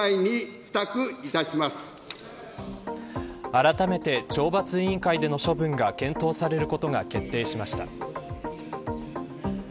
あらためて懲罰委員会での処分が検討されることが決定しました。